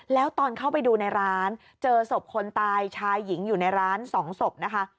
แล้วตอนเข้าไปดูในร้านเจอศพคนตายชายหญิงอยู่ในร้าน๒ศพนะคะ